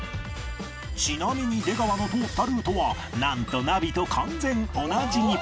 ちなみに出川の通ったルートはなんとナビと完全同じに